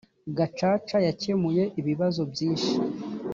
gacaca yakemuye ibibazo byishi.